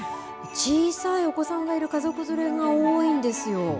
小さいお子さんがいる家族連れが多いんですよ。